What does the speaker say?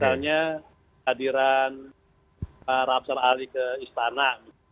misalnya hadiran pak rapsal ali ke istana